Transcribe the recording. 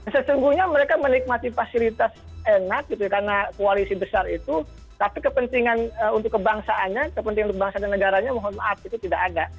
sesungguhnya mereka menikmati fasilitas enak gitu ya karena koalisi besar itu tapi kepentingan untuk kebangsaannya kepentingan untuk bangsa dan negaranya mohon maaf itu tidak ada